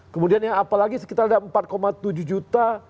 kemudian yang apalagi sekitar ada empat tujuh juta